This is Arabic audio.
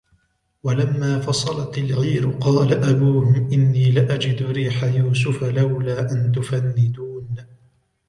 ولما فصلت العير قال أبوهم إني لأجد ريح يوسف لولا أن تفندون